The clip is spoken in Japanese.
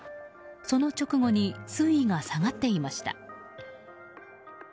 その直後に水位が下がっていました。